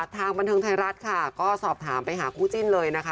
ทางบันเทิงไทยรัฐค่ะก็สอบถามไปหาคู่จิ้นเลยนะคะ